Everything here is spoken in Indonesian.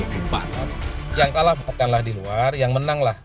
jangan kalah berkatkanlah di luar yang menanglah